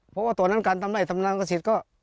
เพราะว่าตอนนั้นการทำไล่ทำนางกสิทธิ์ก็